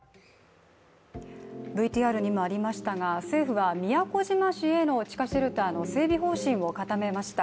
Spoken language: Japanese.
ＶＴＲにもありましたが、政府は宮古島市への地下シェルターの整備方針を固めました。